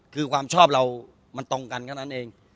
คือความชอบเรามันตรงกันแค่นั้นเอง